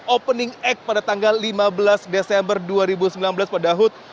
opening act pada tanggal lima belas desember dua ribu sembilan belas pada hood